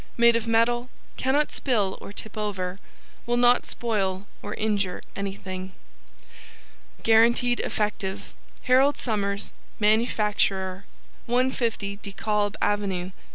Made of metal, cannot spill or tip over, will not spoil or injure anything. GUARANTEED EFFECTIVE HAROLD SOMERS Manufacturer 150 De Kalb Ave.